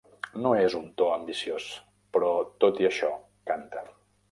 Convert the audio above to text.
No és un to ambiciós, però tot i això canta.